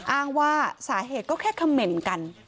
อ้างว่าสาเหตุก็แค่เขม่นกัน